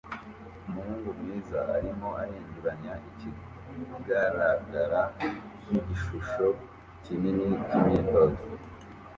Umuhungu mwiza arimo ahinduranya ikigaragara nkigishusho kinini cyimyitozo